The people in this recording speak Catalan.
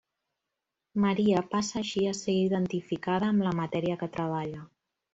Maria passa així a ser identificada amb la matèria que treballa.